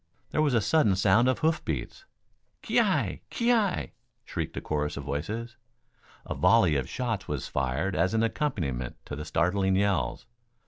There was a sudden sound of hoof beats. "Ki yi! Ki yi!" shrieked a chorus of voices. A volley of shots was fired as an accompaniment to the startling yells.